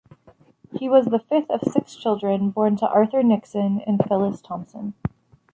He was the fifth of six children born to Arthur Nixon and Phylis Thompson.